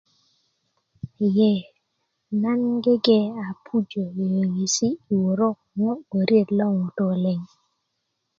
yee nan gege a pujö yöyöŋesi yi wörö ko ŋo wöret lo ŋutu' liŋ